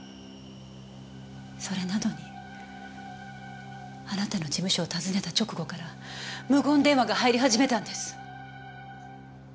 それなのにあなたの事務所を訪ねた直後から無言電話が入り始めたんです。